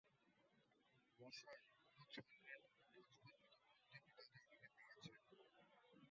মশায়, এ ছলনাটুকু বোঝবার মতো বুদ্ধি বিধাতা আমাকে দিয়েছেন।